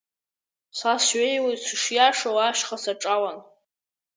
Са сҩеиуеит сышиашоу ашьха саҿалан.